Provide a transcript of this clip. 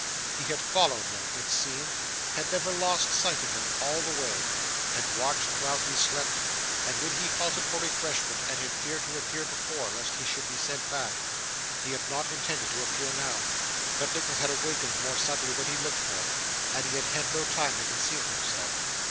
He had followed him, it seemed; had never lost sight of him all the way; had watched while he slept, and when he halted for refreshment; and had feared to appear before, lest he should be sent back. He had not intended to appear now, but Nicholas had awakened more suddenly than he looked for, and he had had no time to conceal himself.